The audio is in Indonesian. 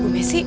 aduh bume sih